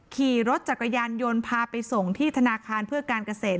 ขี่รถจักรยานยนต์พาไปส่งที่ธนาคารเพื่อการเกษตร